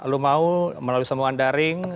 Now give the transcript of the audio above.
lu mau melalui semua anda ring